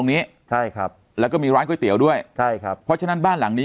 นี้ใช่ครับแล้วก็มีร้านก๋วยเตี๋ยวด้วยใช่ครับเพราะฉะนั้นบ้านหลังนี้